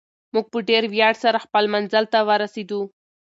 موږ په ډېر ویاړ سره خپل منزل ته ورسېدو.